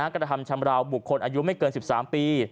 กระทำชำราวบุคคลอายุไม่เกิน๑๓ปี